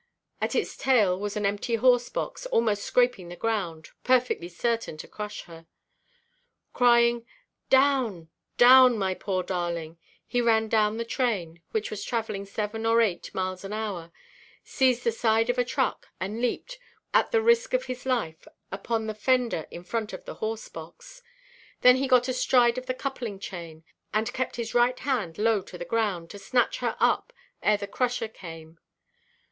At its tail was an empty horse–box, almost scraping the ground, perfectly certain to crush her. Crying, "Down, down, my poor darling!" he ran down the train, which was travelling seven or eight miles an hour, seized the side of a truck, and leaped, at the risk of his life, upon the fender in front of the horse–box. Then he got astride of the coupling–chain, and kept his right hand low to the ground, to snatch her up ere the crusher came.